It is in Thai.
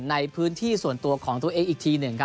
ในพื้นที่ส่วนตัวของตัวเองอีกทีหนึ่ง